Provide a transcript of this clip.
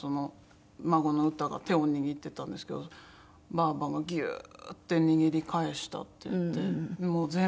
孫のＵＴＡが手を握ってたんですけど「ばあばがギューッて握り返した」って言って「もう全部聞こえてるよ。